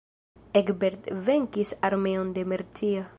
Egbert venkis armeon de Mercia.